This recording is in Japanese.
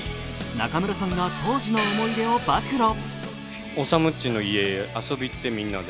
中村さんが当時の思い出を暴露。